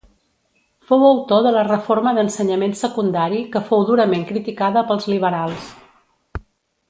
Fou autor de la reforma d'ensenyament secundari que fou durament criticada pels liberals.